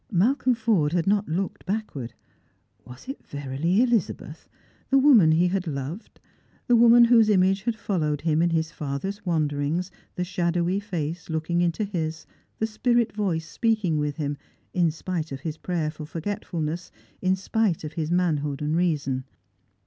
Malcolm Fordehad not looked backward. Was it verily Elizabeth, the woman he had loved, the woman whose image had followed him in his farthest wan derings, the shadowy face looking into his, the spirit voice speaking with him, in spite of his prayer for forgetfulness, in spite of his manhood and his reason